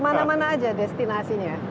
kemana mana aja destinasinya